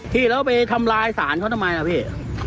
พี่แล้วไปทำลายศาลเขาทำไมล่ะพี่